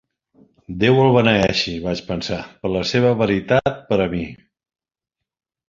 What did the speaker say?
"Déu el beneeixi," vaig pensar, "per la seva veritat per a mi!"